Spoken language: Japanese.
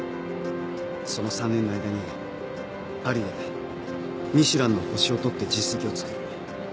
その３年の間にパリでミシュランの星を取って実績を作る。